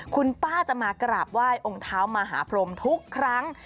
คุณป้าจะมากราบไหว้องค์เท้ามหาพรมทุกครั้ง